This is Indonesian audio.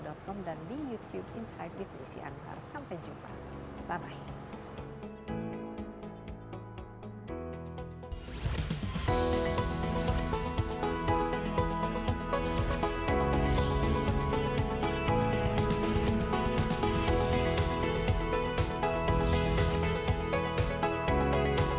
sampai jumpa lagi di cnn indonesia com dan di youtube insight with desi anwar